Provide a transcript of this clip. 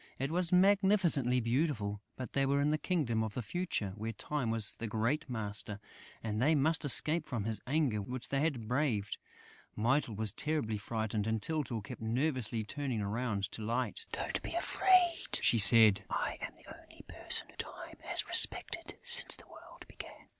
It was magnificently beautiful, but they were in the Kingdom of the Future, where Time was the great master, and they must escape from his anger which they had braved. Mytyl was terribly frightened and Tyltyl kept nervously turning round to Light. "Don't be afraid," she said. "I am the only person whom Time has respected since the world began.